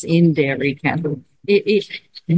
jadi ini adalah perkhidmatan